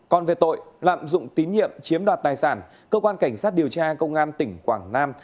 còn về tội lạm dụng tín nhiệm chiếm đoạt tài sản cơ quan cảnh sát điều tra công an tỉnh quảng nam